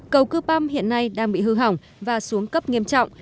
cầu cư păm hiện nay đang bị hư hỏng và xuống cấp nghiêm trọng